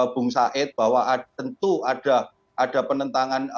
bung said bahwa tentu ada penentangan